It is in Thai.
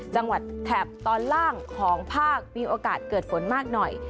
แถบตอนล่างของภาคมีโอกาสเกิดฝนมากหน่อย